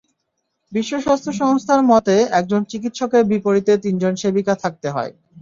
বিশ্ব স্বাস্থ্য সংস্থার মতে, একজন চিকিৎসকের বিপরীতে তিনজন সেবিকা থাকতে হয়।